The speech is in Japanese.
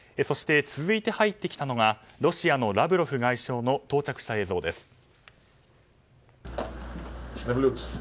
そして、続いて入ってきたのがロシアのラブロフ外相の到着した映像です。